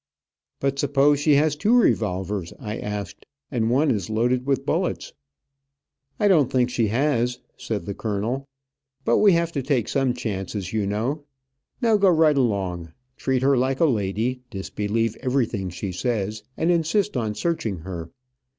"But suppose she has two revolvers," I asked, "and one is loaded with bullets?" "I don't think she has," said the colonel. "But we have to take some chances, you know. Now go right along. Treat her like a lady, disbelieve everything she says and insist on searching her.